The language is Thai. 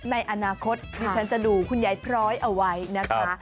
ในอนาคตที่ฉันจะดูคุณยายพร้อยเอาไว้นะคะ